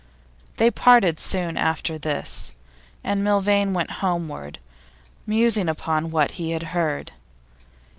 They parted soon after this, and Milvain went homeward, musing upon what he had heard.